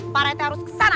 parete harus kesana